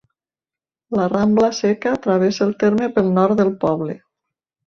La rambla Seca travessa el terme pel nord del poble.